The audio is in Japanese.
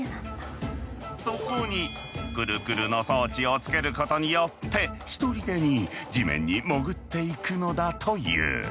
そこにクルクルの装置をつけることによってひとりでに地面に潜っていくのだという。